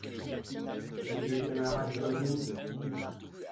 De vieux camarades comme nous !…